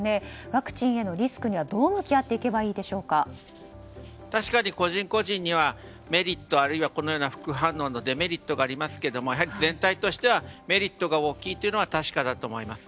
ワクチンへのリスクにはどう向き合っていけば確かに個人個人にはメリットあるいはこのような副反応のデメリットがありますがやはり全体としてはメリットが大きいというのは確かだと思います。